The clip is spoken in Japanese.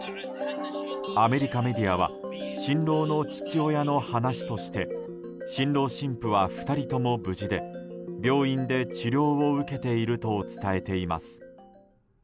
アメリカメディアは新郎の父親の話として新郎・新婦は２人とも無事で病院で治療を受けていると伝えています。